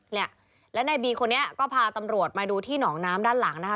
เนี่ยและในบีคนนี้ก็พาตำรวจมาดูที่หนองน้ำด้านหลังนะคะ